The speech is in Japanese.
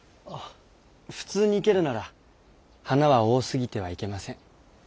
普通に生けるなら花は多すぎてはいけません。